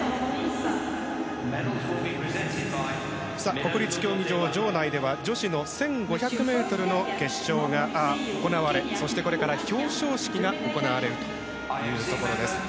国立競技場場内では女子の１５００ｍの決勝が行われこれから表彰式が行われるところです。